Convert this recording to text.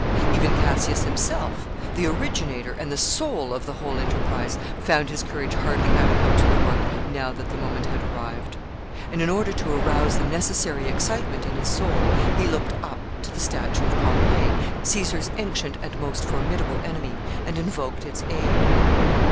[Sidenote: Caesar and Pompey's statue.] Even Cassius himself, the originator and the soul of the whole enterprise, found his courage hardly adequate to the work now that the moment had arrived; and, in order to arouse the necessary excitement in his soul, he looked up to the statue of Pompey, Caesar's ancient and most formidable enemy, and invoked its aid.